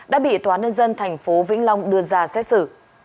đã bị tòa nân dân thành phố vĩnh long đưa ra xét xử